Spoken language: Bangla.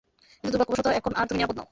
কিন্তু দূর্ভাগ্যবশত, এখন আর তুমি নিরাপদ নও।